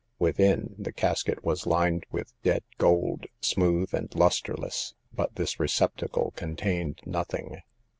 Within the casket was lined with dead gold, smooth and lusterless ; but this receptacle contained nothing.